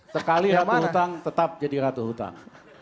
sekali ratu hutang tetap jadi ratu hutang